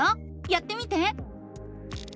やってみて！